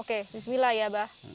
oke bismillah ya abah